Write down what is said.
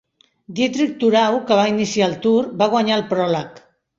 Dietrich Thurau, que va iniciar el Tour, va guanyar el pròleg.